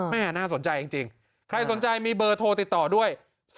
แม่น่าสนใจจริงใครสนใจมีเบอร์โทรติดต่อด้วย๐๒๙๙๕๐๖๑๐๓